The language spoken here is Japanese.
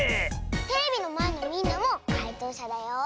テレビのまえのみんなもかいとうしゃだよ。